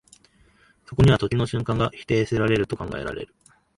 そこには時の瞬間が否定せられると考えられる。